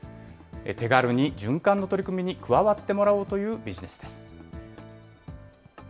手軽に循環の取り組みに加わってもらおうというビジネスです。